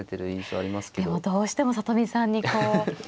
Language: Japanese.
でもどうしても里見さんにこう。